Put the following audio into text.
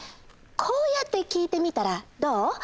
こうやって聞いてみたらどう？